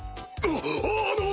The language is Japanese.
ああの！